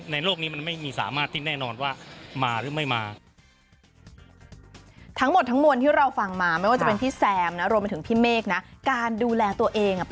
โลกนี้มันไม่มีสามารถทิ้งแน่นอนว่ามาหรือไม่มา